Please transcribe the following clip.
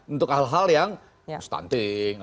untuk hal hal yang stunting